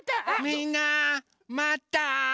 みんなまった？